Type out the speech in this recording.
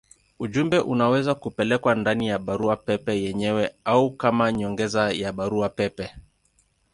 Ujumbe unaweza kupelekwa ndani ya barua pepe yenyewe au kama nyongeza ya barua pepe.